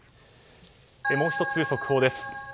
もう１つ、速報です。